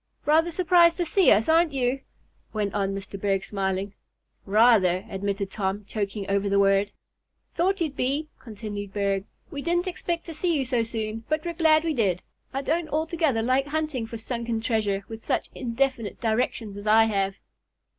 "Rather surprised to see us, aren't you?" went on Mr. Berg, smiling. "Rather," admitted Tom, choking over the word. "Thought you'd be," continued Berg. "We didn't expect to meet you so soon, but we're glad we did. I don't altogether like hunting for sunken treasure, with such indefinite directions as I have."